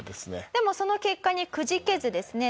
でもその結果にくじけずですね